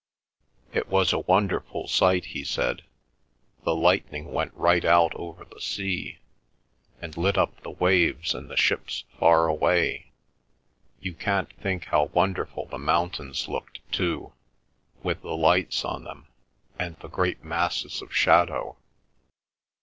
"It was a wonderful sight," he said. "The lightning went right out over the sea, and lit up the waves and the ships far away. You can't think how wonderful the mountains looked too, with the lights on them, and the great masses of shadow.